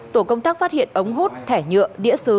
tổ công tác phát hiện ống hút thẻ nhựa đĩa xứ